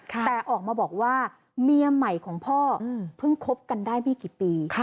แต่ออกมาบอกว่าเมียใหม่ของพ่อเพิ่งคบกันได้ไม่กี่ปี